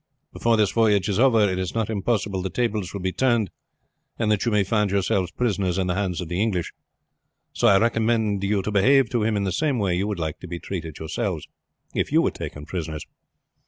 Before this voyage is over it is not impossible the tables will be turned, and that you may find yourselves prisoners in the hands of the English; so I recommend you to behave to him in the same way you would like to be treated yourselves if you were taken prisoners.